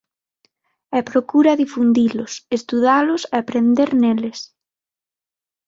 E procura difundilos, estudalos e aprender neles.